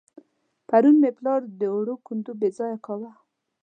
پرون مې پلار د وړو کندو بېځايه کاوه.